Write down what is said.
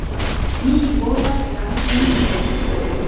Mi volas la ĉemizon